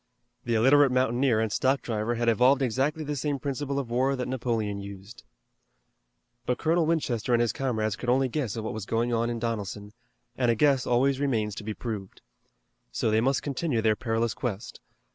The illiterate mountaineer and stock driver had evolved exactly the same principle of war that Napoleon used. But Colonel Winchester and his comrades could only guess at what was going on in Donelson, and a guess always remains to be proved. So they must continue their perilous quest.